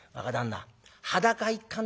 裸一貫。